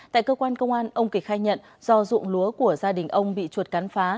tại cơ quan công an ông kịch khai nhận do dụng lúa của gia đình ông bị chuột cắn phá